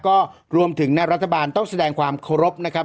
ก็รวมถึงในรัฐบาลต้องแสดงความเคารพนะครับ